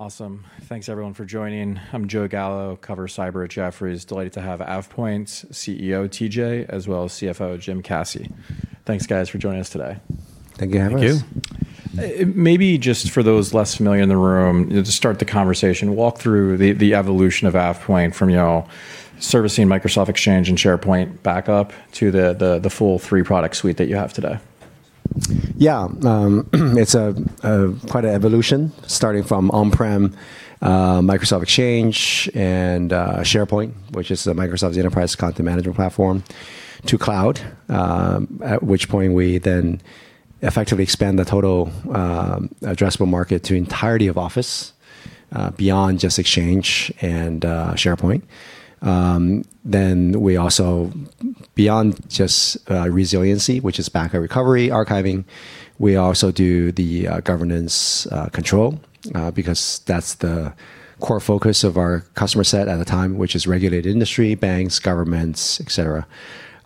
Awesome. Thanks everyone for joining. I'm Joe Gallo, cover cyber at Jefferies. Delighted to have AvePoint CEO, TJ, as well as CFO, Jim Caci. Thanks guys for joining us today. Thank you for having us., guys. Thank you. Maybe just for those less familiar in the room, to start the conversation, walk through the evolution of AvePoint from servicing Microsoft Exchange and SharePoint back up to the full three-product suite that you have today. Yeah. It's quite an evolution, starting from on-prem Microsoft Exchange and SharePoint, which is Microsoft's enterprise content management platform, to cloud, at which point we then effectively expand the total addressable market to the entirety of Office, beyond just Exchange and SharePoint. Beyond just resiliency, which is backup recovery, archiving, we also do the governance control, because that's the core focus of our customer set at the time, which is regulated industry, banks, governments, et cetera.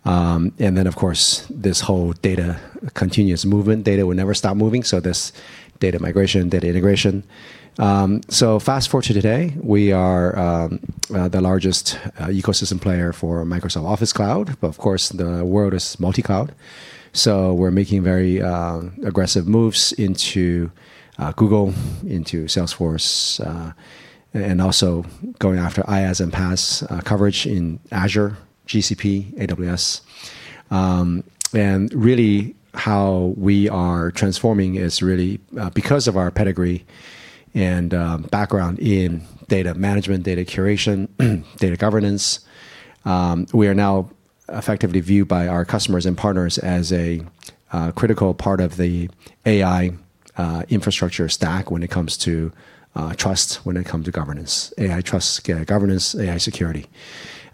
Of course, this whole data continuous movement, data will never stop moving, so this data migration, data integration. Fast-forward to today, we are the largest ecosystem player for Microsoft Office cloud, but of course, the world is multi-cloud. We're making very aggressive moves into Google, into Salesforce, and also going after IaaS and PaaS coverage in Azure, GCP, AWS. How we are transforming is really because of our pedigree and background in data management, data curation, data governance, we are now effectively viewed by our customers and partners as a critical part of the AI infrastructure stack when it comes to trust, when it comes to governance, AI trust, AI governance, AI security.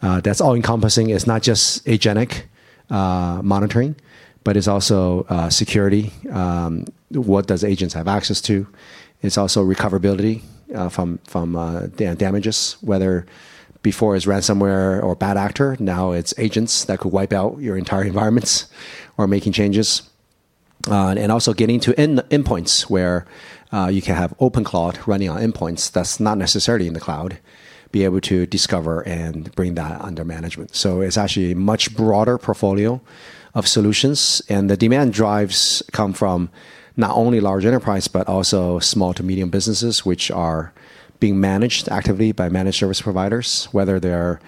That's all-encompassing. It's not just agentic monitoring, but it's also security. What do agents have access to? It's also recoverability from damages, whether before it's ransomware or bad actor, now it's agents that could wipe out your entire environments or making changes. Also getting to endpoints where you can have open cloud running on endpoints that's not necessarily in the cloud, be able to discover and bring that under management. It's actually a much broader portfolio of solutions, and the demand drives come from not only large enterprise, but also small to medium businesses, which are being managed actively by managed service providers, whether they're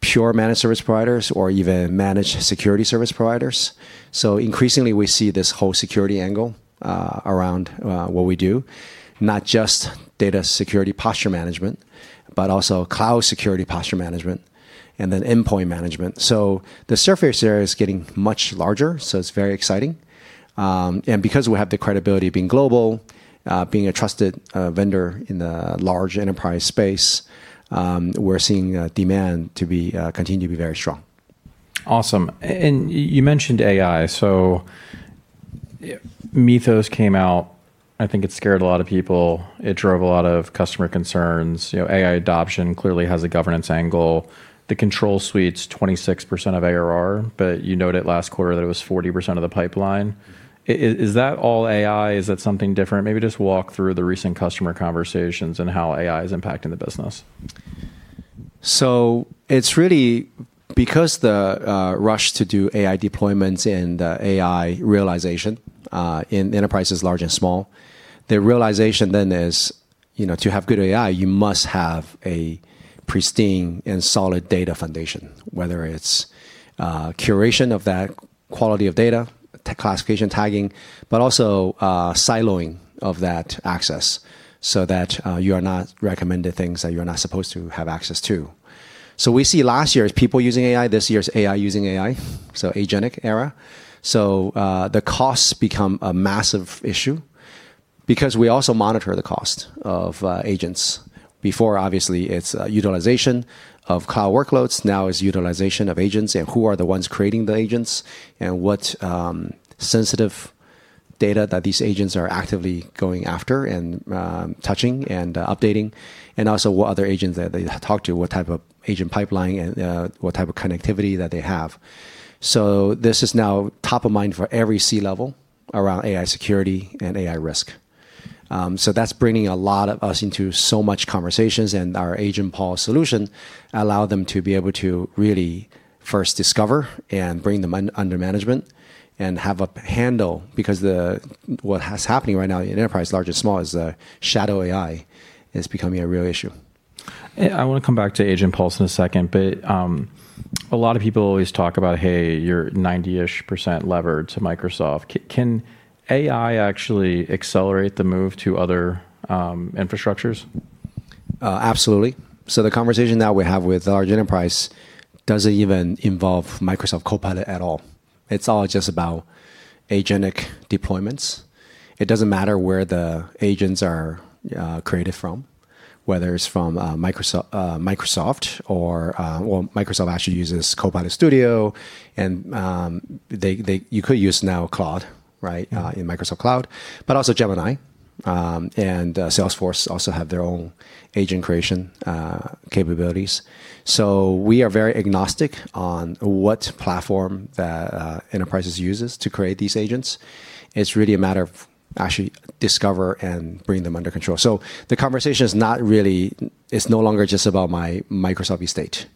pure managed service providers or even managed security service providers. Increasingly, we see this whole security angle around what we do, not just data security posture management, but also cloud security posture management and then endpoint management. The surface area is getting much larger, so it's very exciting. Because we have the credibility of being global, being a trusted vendor in the large enterprise space, we're seeing demand continue to be very strong. Awesome. You mentioned AI. Mythos came out, I think it scared a lot of people. It drove a lot of customer concerns. AI adoption clearly has a governance angle. The control suite's 26% of ARR, but you noted last quarter that it was 40% of the pipeline. Is that all AI? Is that something different? Just walk through the recent customer conversations and how AI is impacting the business. It's really because the rush to do AI deployments and AI realization in enterprises large and small, the realization then is to have good AI, you must have a pristine and solid data foundation, whether it's curation of that quality of data, classification, tagging, but also siloing of that access so that you are not recommended things that you're not supposed to have access to. We see last year as people using AI, this year as AI using AI, so agentic era. The costs become a massive issue because we also monitor the cost of agents. Before obviously, it's utilization of cloud workloads, now it's utilization of agents and who are the ones creating the agents, and what sensitive data that these agents are actively going after and touching and updating, and also what other agents that they talk to, what type of agent pipeline and what type of connectivity that they have. This is now top of mind for every C level around AI security and AI risk. That's bringing a lot of us into so much conversations and our AgentPulse solution allow them to be able to really first discover and bring them under management and have a handle, because what is happening right now in enterprise, large and small, is shadow AI is becoming a real issue. I want to come back to AgentPulse in a second, but a lot of people always talk about, "Hey, you're 90-ish% levered to Microsoft." Can AI actually accelerate the move to other infrastructures? Absolutely. The conversation now we have with large enterprise doesn't even involve Microsoft Copilot at all. It's all just about agentic deployments. It doesn't matter where the agents are created from, whether it's from Microsoft. Microsoft actually uses Copilot Studio and you could use now Claude, right, in Microsoft Cloud, but also Gemini, and Salesforce also have their own agent creation capabilities. We are very agnostic on what platform that enterprises use to create these agents. It's really a matter of actually discover and bring them under control. The conversation, it's no longer just about my Microsoft estate.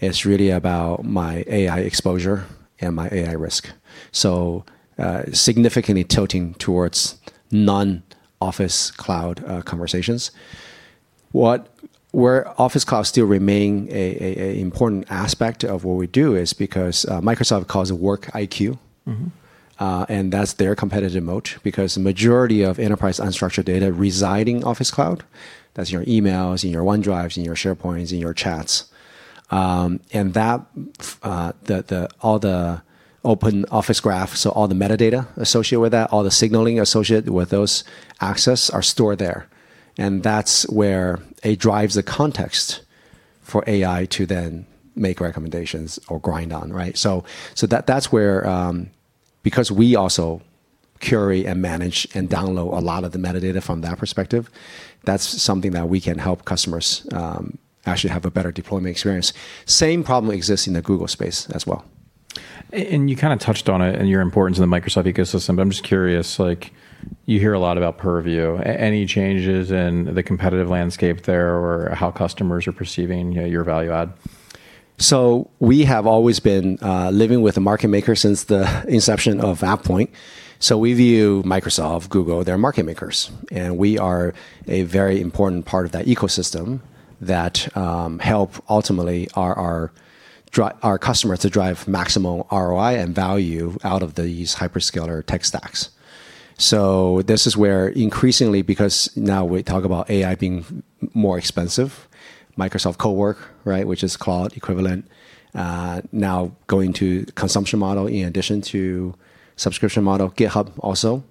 It's really about my AI exposure and my AI risk. Significantly tilting towards non-Office Cloud conversations. Where Office Cloud still remain a important aspect of what we do is because Microsoft calls it Work IQ. That's their competitive moat, because the majority of enterprise unstructured data reside in Office cloud. That's your emails, in your OneDrives, in your SharePoints, in your chats. All the open Microsoft Graph, so all the metadata associated with that, all the signaling associated with those access, are stored there. That's where it drives the context for AI to then make recommendations or grind on, right? That's where, because we also curate and manage and download a lot of the metadata from that perspective, that's something that we can help customers actually have a better deployment experience. Same problem exists in Google as well. You kind of touched on it in your importance in the Microsoft ecosystem, but I'm just curious, you hear a lot about Purview. Any changes in the competitive landscape there or how customers are perceiving your value add? We have always been living with a market maker since the inception of AvePoint. We view Microsoft, Google, they're market makers. We are a very important part of that ecosystem that help ultimately our customer to drive maximum ROI and value out of these hyperscaler tech stacks. This is where increasingly, because now we talk about AI being more expensive, Microsoft Copilot, right, which is Claude equivalent, now going to consumption model in addition to subscription model, GitHub also.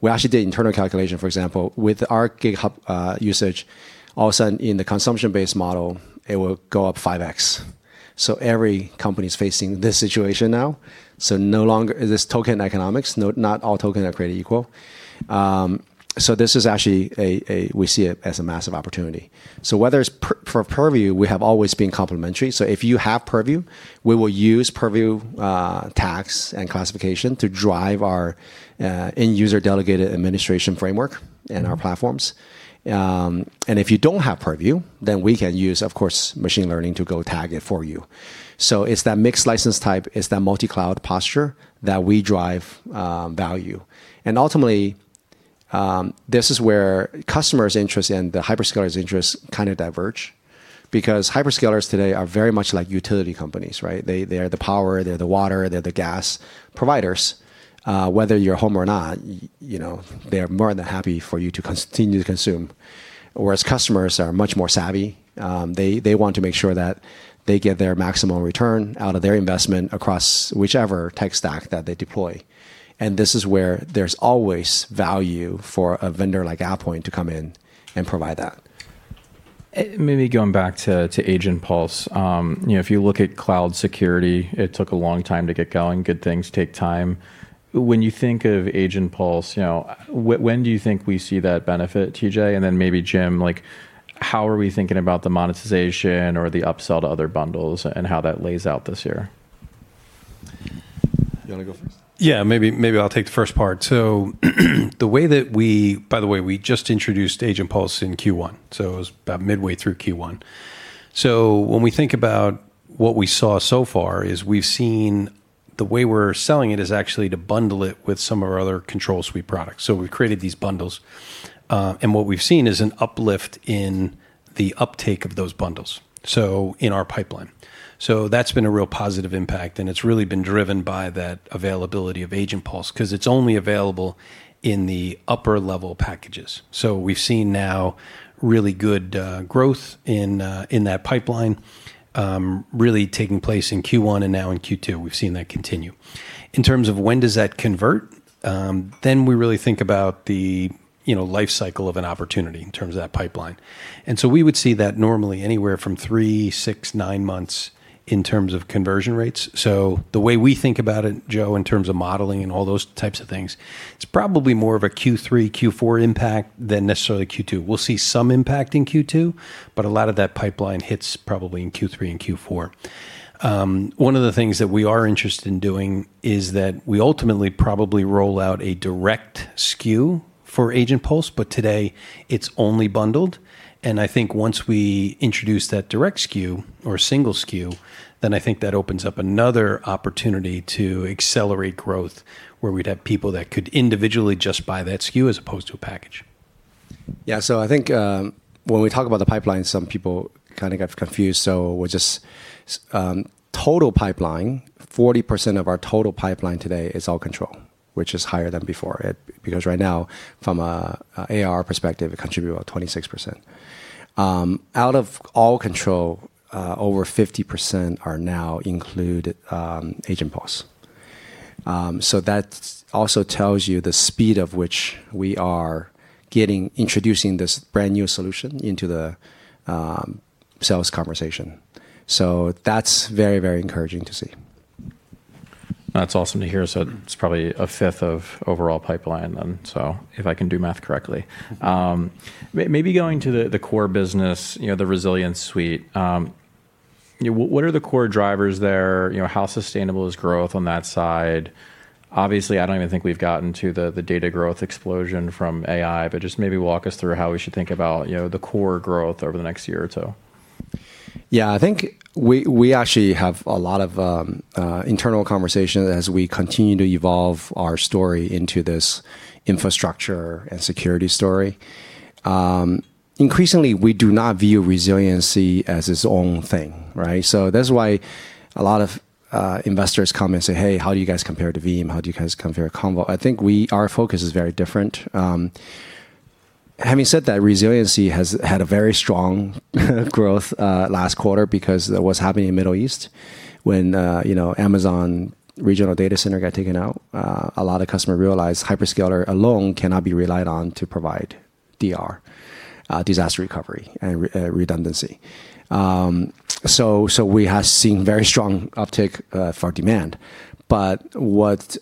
We actually did internal calculation, for example, with our GitHub usage, all of a sudden in the consumption-based model, it will go up 5x. Every company's facing this situation now. This token economics, not all token are created equal. This is actually, we see it as a massive opportunity. Whether it's for Purview, we have always been complementary. If you have Purview, we will use Purview tags and classification to drive our end user delegated administration framework in our platforms. If you don't have Purview, then we can use, of course, machine learning to go tag it for you. It's that mixed license type, it's that multi-cloud posture that we drive value. Ultimately, this is where customers' interest and the hyperscalers' interest kind of diverge, because hyperscalers today are very much like utility companies, right? They're the power, they're the water, they're the gas providers. Whether you're home or not, they are more than happy for you to continue to consume. Whereas customers are much more savvy. They want to make sure that they get their maximum return out of their investment across whichever tech stack that they deploy. This is where there's always value for a vendor like AvePoint to come in and provide that. Maybe going back to AgentPulse. If you look at cloud security, it took a long time to get going. Good things take time. When you think of AgentPulse, when do you think we see that benefit, TJ? Maybe Jim, how are we thinking about the monetization or the upsell to other bundles and how that lays out this year? You want to go first? Yeah, maybe I'll take the first part. By the way, we just introduced AgentPulse in Q1, so it was about midway through Q1. When we think about what we saw so far is we've seen the way we're selling it is actually to bundle it with some of our other control suite products. We've created these bundles. What we've seen is an uplift in the uptake of those bundles in our pipeline. That's been a real positive impact, and it's really been driven by that availability of AgentPulse, because it's only available in the upper-level packages. We've seen now really good growth in that pipeline, really taking place in Q1 and now in Q2, we've seen that continue. In terms of when does that convert, we really think about the life cycle of an opportunity in terms of that pipeline. We would see that normally anywhere from three, six, nine months in terms of conversion rates. The way we think about it, Joe, in terms of modeling and all those types of things, it's probably more of a Q3, Q4 impact than necessarily Q2. We'll see some impact in Q2, but a lot of that pipeline hits probably in Q3 and Q4. One of the things that we are interested in doing is that we ultimately probably roll out a direct SKU for AgentPulse, but today it's only bundled. I think once we introduce that direct SKU or single SKU, then I think that opens up another opportunity to accelerate growth where we'd have people that could individually just buy that SKU as opposed to a package. Yeah. I think, when we talk about the pipeline, some people kind of get confused. Just total pipeline, 40% of our total pipeline today is all control, which is higher than before. Because right now, from an ARR perspective, it contribute about 26%. Out of all control, over 50% now include AgentPulse. That also tells you the speed of which we are introducing this brand-new solution into the sales conversation. That's very encouraging to see. That's awesome to hear. It's probably a fifth of overall pipeline then, so if I can do math correctly. Maybe going to the core business, the resilience suite. What are the core drivers there? How sustainable is growth on that side? Obviously, I don't even think we've gotten to the data growth explosion from AI, but just maybe walk us through how we should think about the core growth over the next year or two. I think we actually have a lot of internal conversation as we continue to evolve our story into this infrastructure and security story. Increasingly, we do not view resiliency as its own thing, right? That's why a lot of investors come and say, "Hey, how do you guys compare to Veeam? How do you guys compare to Commvault?" I think our focus is very different. Having said that, resiliency has had a very strong growth last quarter because of what's happening in Middle East when Amazon regional data center got taken out. A lot of customer realized hyperscaler alone cannot be relied on to provide DR, disaster recovery and redundancy. We have seen very strong uptick for demand. What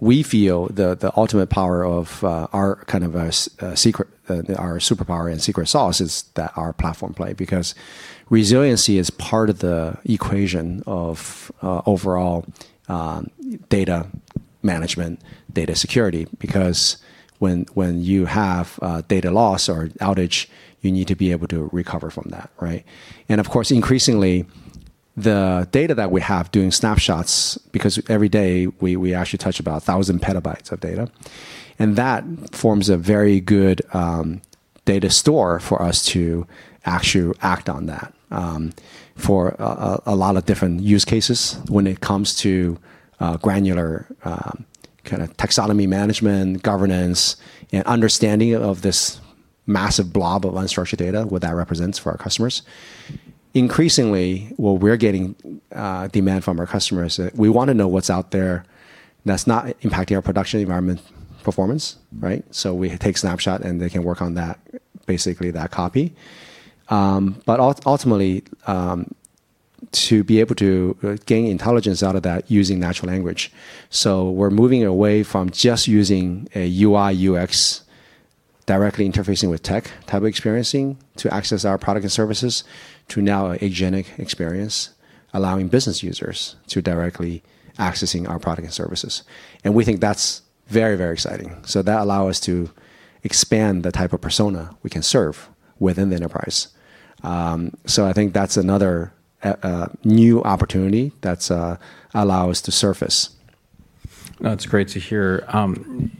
we feel the ultimate power of our superpower and secret sauce is that our platform play, because resiliency is part of the equation of overall data management, data security. When you have data loss or outage, you need to be able to recover from that, right? Of course, increasingly, the data that we have doing snapshots, because every day we actually touch about 1,000 PB of data, and that forms a very good data store for us to actually act on that for a lot of different use cases when it comes to granular taxonomy management, governance, and understanding of this massive blob of unstructured data, what that represents for our customers. Increasingly, what we're getting demand from our customers, we want to know what's out there that's not impacting our production environment performance, right? We take snapshot, and they can work on basically that copy. Ultimately, to be able to gain intelligence out of that using natural language. We're moving away from just using a UI/UX directly interfacing with tech type experience to access our product and services to now agentic experience, allowing business users to directly access our product and services. We think that's very exciting. That allow us to expand the type of persona we can serve within the enterprise. I think that's another new opportunity that allow us to surface. That's great to hear.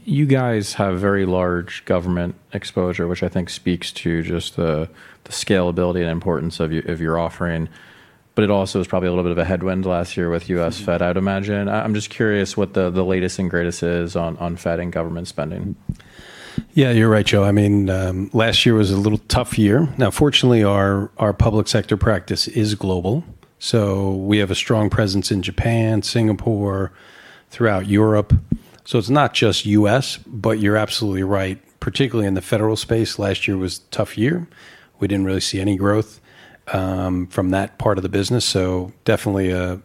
You guys have very large government exposure, which I think speaks to just the scalability and importance of your offering. It also is probably a little bit of a headwind last year with U.S. Fed, I would imagine. I'm just curious what the latest and greatest is on Fed and government spending. Yeah, you're right, Joe. Last year was a little tough year. Fortunately, our public sector practice is global, so we have a strong presence in Japan, Singapore, throughout Europe. It's not just U.S., but you're absolutely right. Particularly in the federal space, last year was a tough year. We didn't really see any growth from that part of the business, so definitely a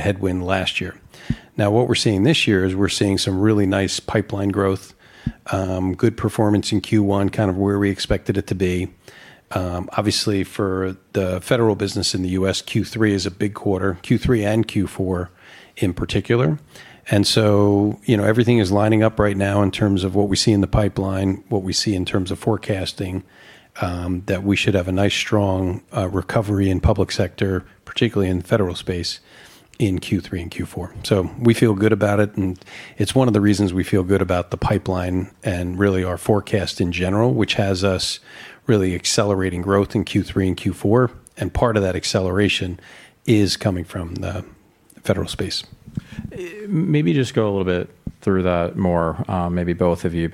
headwind last year. What we're seeing this year is we're seeing some really nice pipeline growth, good performance in Q1, kind of where we expected it to be. Obviously, for the federal business in the U.S., Q3 is a big quarter, Q3 and Q4 in particular. Everything is lining up right now in terms of what we see in the pipeline, what we see in terms of forecasting, that we should have a nice, strong recovery in public sector, particularly in the Federal space in Q3 and Q4. We feel good about it, and it's one of the reasons we feel good about the pipeline and really our forecast in general, which has us really accelerating growth in Q3 and Q4, and part of that acceleration is coming from the Federal space. Maybe just go a little bit through that more, maybe both of you.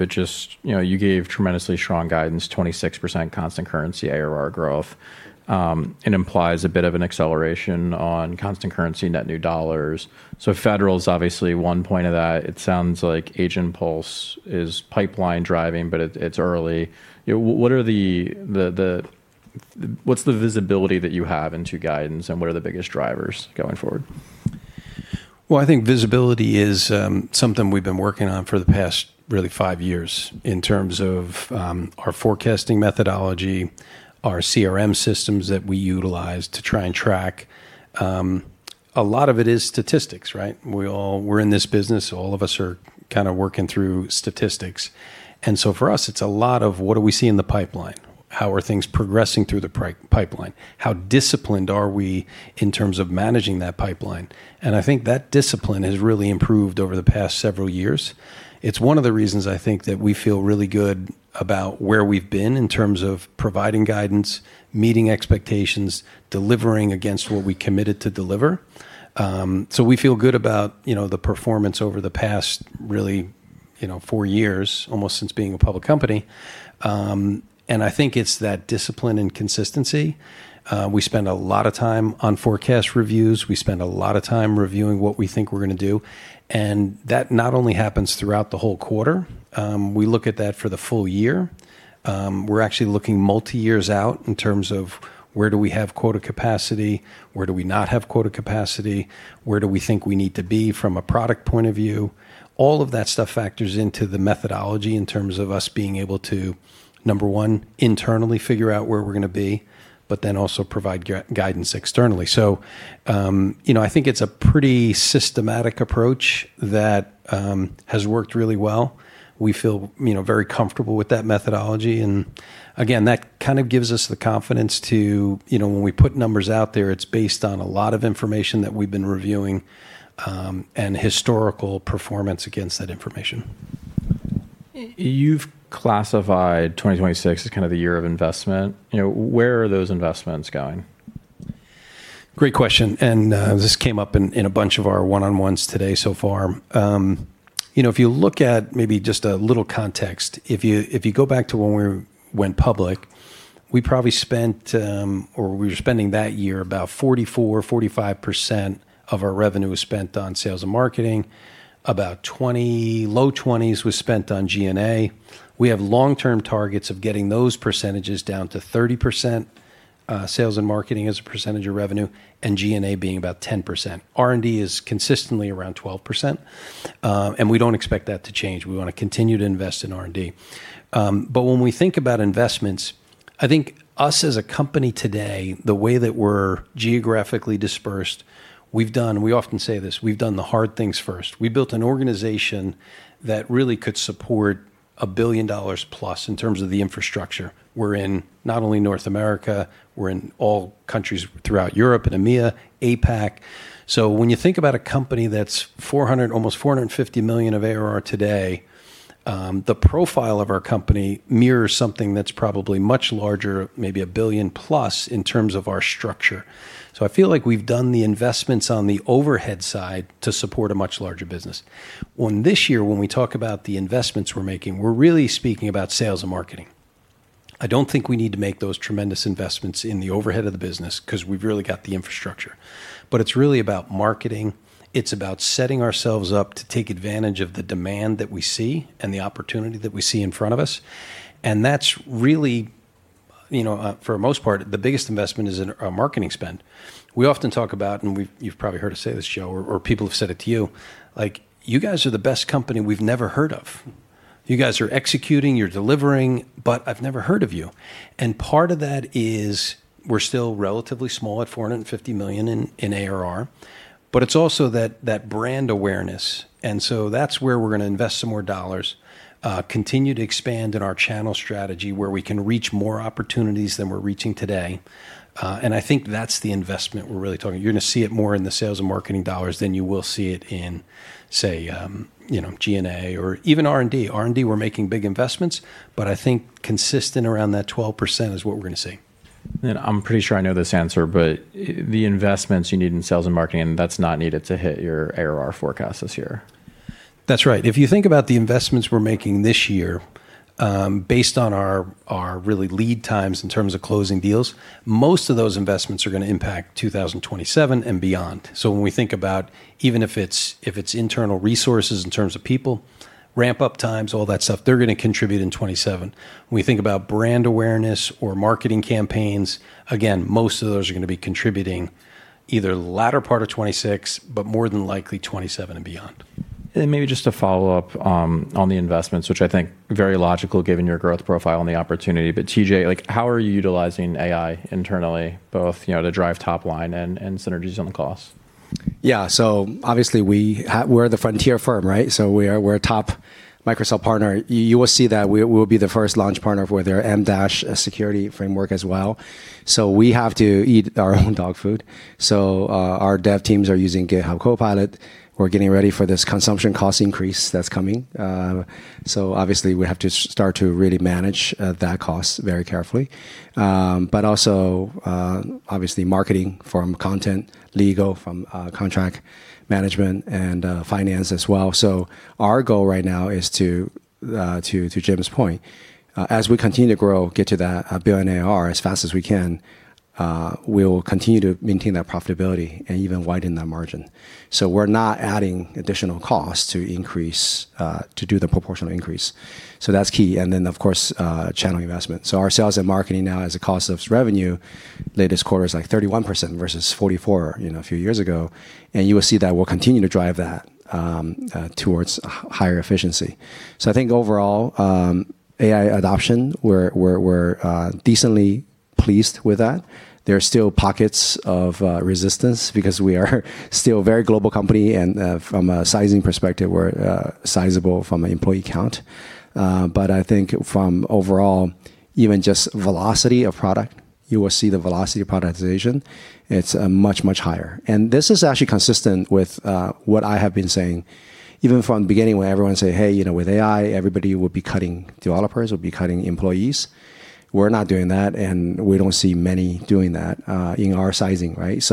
You gave tremendously strong guidance, 26% constant currency ARR growth. It implies a bit of an acceleration on constant currency net new dollars. Federal is obviously one point of that. It sounds like AgentPulse is pipeline driving, but it's early. What's the visibility that you have into guidance, and what are the biggest drivers going forward? Well, I think visibility is something we've been working on for the past really five years in terms of our forecasting methodology, our CRM systems that we utilize to try and track. A lot of it is statistics, right? We're in this business, all of us are kind of working through statistics. For us, it's a lot of what do we see in the pipeline? How are things progressing through the pipeline? How disciplined are we in terms of managing that pipeline? I think that discipline has really improved over the past several years. It's one of the reasons I think that we feel really good about where we've been in terms of providing guidance, meeting expectations, delivering against what we committed to deliver. We feel good about the performance over the past really four years, almost since being a public company. I think it's that discipline and consistency. We spend a lot of time on forecast reviews. We spend a lot of time reviewing what we think we're going to do. That not only happens throughout the whole quarter, we look at that for the full year. We're actually looking multi-years out in terms of where do we have quota capacity, where do we not have quota capacity, where do we think we need to be from a product point of view. All of that stuff factors into the methodology in terms of us being able to, number one, internally figure out where we're going to be, but then also provide guidance externally. I think it's a pretty systematic approach that has worked really well. We feel very comfortable with that methodology, that gives us the confidence to, when we put numbers out there, it's based on a lot of information that we've been reviewing, and historical performance against that information. You've classified 2026 as the year of investment. Where are those investments going? Great question. This came up in a bunch of our one-on-ones today so far. If you look at maybe just a little context, if you go back to when we went public, we probably spent, or we were spending that year, about 44%-45% of our revenue was spent on sales and marketing. About low 20% was spent on G&A. We have long-term targets of getting those percentages down to 30%, sales and marketing as a percentage of revenue, and G&A being about 10%. R&D is consistently around 12%, and we don't expect that to change. We want to continue to invest in R&D. When we think about investments, I think us as a company today, the way that we're geographically dispersed, we often say this, we've done the hard things first. We built an organization that really could support a $1 billion+ in terms of the infrastructure. We're in not only North America, we're in all countries throughout Europe and EMEA, APAC. When you think about a company that's almost $450 million of ARR today, the profile of our company mirrors something that's probably much larger, maybe a $1 billion+, in terms of our structure. I feel like we've done the investments on the overhead side to support a much larger business. On this year, when we talk about the investments we're making, we're really speaking about sales and marketing. I don't think we need to make those tremendous investments in the overhead of the business because we've really got the infrastructure. It's really about marketing. It's about setting ourselves up to take advantage of the demand that we see and the opportunity that we see in front of us. That's really, for the most part, the biggest investment is in our marketing spend. We often talk about, you've probably heard us say this, Joe, or people have said it to you, "You guys are the best company we've never heard of. You guys are executing, you're delivering, I've never heard of you." Part of that is we're still relatively small at $450 million in ARR, but it's also that brand awareness. That's where we're going to invest some more dollars, continue to expand in our channel strategy, where we can reach more opportunities than we're reaching today. I think that's the investment we're really talking. You're going to see it more in the sales and marketing dollars than you will see it in, say, G&A or even R&D. R&D, we're making big investments, I think consistent around that 12% is what we're going to see. I'm pretty sure I know this answer, but the investments you need in sales and marketing, that's not needed to hit your ARR forecast this year. That's right. If you think about the investments we're making this year, based on our really lead times in terms of closing deals, most of those investments are going to impact 2027 and beyond. When we think about even if it's internal resources in terms of people, ramp-up times, all that stuff, they're going to contribute in 2027. When we think about brand awareness or marketing campaigns, again, most of those are going to be contributing either the latter part of 2026, but more than likely 2027 and beyond. Maybe just to follow up on the investments, which I think very logical given your growth profile and the opportunity. TJ, how are you utilizing AI internally, both to drive top line and synergies on the costs? Obviously we're the frontier firm, right? We're a top Microsoft partner. You will see that we'll be the first launch partner for their Secure Application Model framework as well. We have to eat our own dog food. Our dev teams are using GitHub Copilot. We're getting ready for this consumption cost increase that's coming. Obviously we have to start to really manage that cost very carefully. Also, obviously marketing from content, legal from contract management, and finance as well. Our goal right now is to Jim's point, as we continue to grow, get to that $1 billion ARR as fast as we can, we'll continue to maintain that profitability and even widen that margin. We're not adding additional costs to do the proportional increase. That's key, and then, of course, channel investment. Our sales and marketing now as a cost of revenue, latest quarter is like 31% versus 44% a few years ago. You will see that we'll continue to drive that towards higher efficiency. I think overall, AI adoption, we're decently pleased with that. There are still pockets of resistance because we are still a very global company, and from a sizing perspective, we're sizable from the employee count. I think from overall, even just velocity of product, you will see the velocity of productization. It's much, much higher. This is actually consistent with what I have been saying, even from the beginning when everyone said, "Hey, with AI, everybody will be cutting developers, will be cutting employees." We're not doing that, and we don't see many doing that in our sizing, right?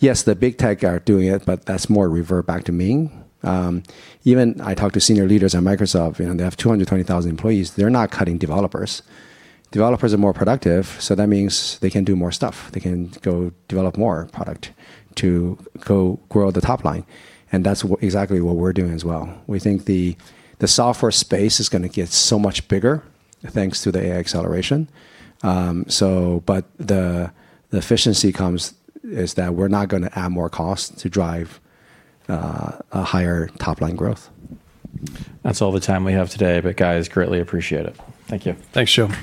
Yes, the Big Tech are doing it, but that's more revert back to mean. Even I talk to senior leaders at Microsoft, they have 220,000 employees. They're not cutting developers. Developers are more productive, that means they can do more stuff. They can go develop more product to go grow the top line, that's exactly what we're doing as well. We think the software space is going to get so much bigger thanks to the AI acceleration. The efficiency comes is that we're not going to add more cost to drive a higher top-line growth. That's all the time we have today, but guys, greatly appreciate it. Thank you. Thanks, Joe.